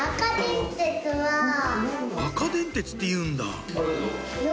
赤電鉄っていうんだ・